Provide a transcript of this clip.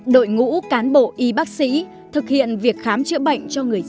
đội ngũ cán bộ y bác sĩ thực hiện việc khám chữa bệnh